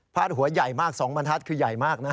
หัวใหญ่มาก๒บรรทัศน์คือใหญ่มากนะฮะ